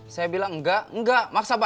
saya bilang enggak enggak mas makasih ya